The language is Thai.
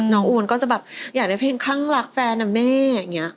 น้องอูนก็จะแบบอยากได้เพลงข้างรักแฟนอ่ะแม่